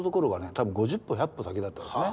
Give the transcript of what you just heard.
多分５０歩１００歩先だったんですね。